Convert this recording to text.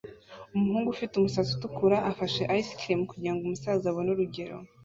Umuhungu ufite umusatsi utukura afashe ice cream kugirango umusaza abone urugero